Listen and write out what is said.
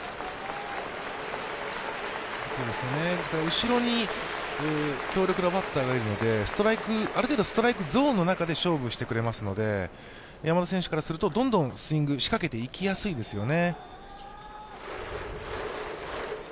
後ろに強力なバッターがいるので、ある程度ストライクゾーンの中で勝負してくれますので、山田選手からすると、どんどんスイング仕掛けていきやすいですよね。